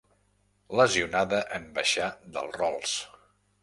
Lesionada en baixar del Rolls.